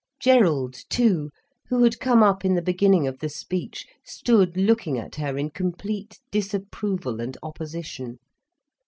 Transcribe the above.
Gerald too, who had come up in the beginning of the speech, stood looking at her in complete disapproval and opposition.